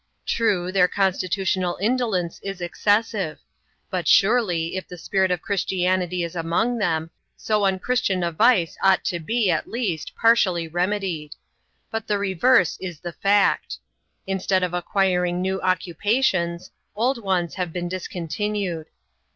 True, their constitutional indolence is excessive ; but surely, if the spirit of Christianity is among them, so unchristian a vice ought to be, at least, partially remedied. But the reverse is the fact. Instead of acquiring new occupations, old ones have been dis continued.